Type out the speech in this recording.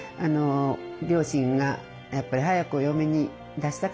両親がやっぱり早くお嫁に出したかったんじゃないですか。